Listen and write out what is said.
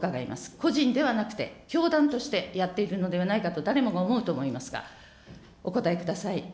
個人ではなくて、教団としてやっているのではないかと、誰もが思うと思いますが、お答えください。